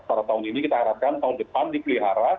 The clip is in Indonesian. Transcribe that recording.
pada tahun ini kita harapkan tahun depan dipelihara